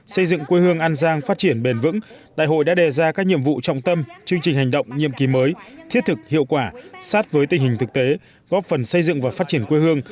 xây dựng quê hương an giang phát triển bền vững đại hội đã đề ra các nhiệm vụ trọng tâm chương trình hành động nhiệm kỳ mới thiết thực hiệu quả sát với tình hình thực tế góp phần xây dựng và phát triển quê hương